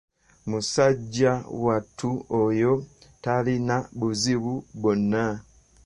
Musajja wattu oyo talina buzibu bwonna.